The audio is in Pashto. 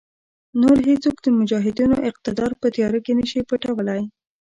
نور هېڅوک د مجاهدینو اقتدار په تیاره کې نشي پټولای.